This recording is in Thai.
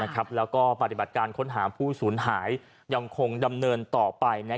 แล้วก็ปฏิบัติการค้นหาผู้สูญหายยังคงดำเนินต่อไป